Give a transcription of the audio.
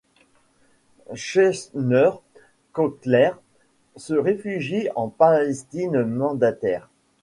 Shneur Kotler se réfugie en Palestine mandataire.